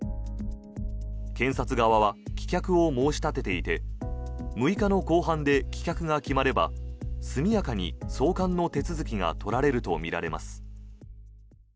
検察側は棄却を申し立てていて６日の公判で棄却が決まれば速やかに送還の手続きが取られるとみられます。